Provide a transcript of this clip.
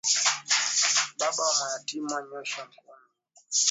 Baba wa mayatima nyosha mkono wako.